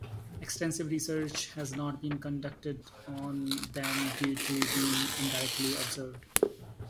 Extensive research has not been conducted on them due to being indirectly observed.